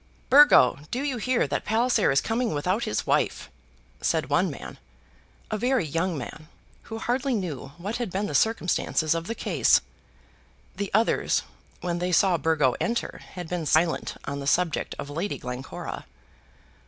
"Burgo, do you hear that Palliser is coming without his wife?" said one man, a very young man, who hardly knew what had been the circumstances of the case. The others, when they saw Burgo enter, had been silent on the subject of Lady Glencora.